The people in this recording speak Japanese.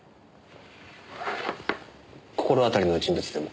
心当たりの人物でも？